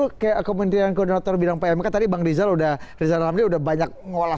pakai aku menteri yang konditor bilang pmk tadi bang rizal udah ke dalamnya udah banyak ngulas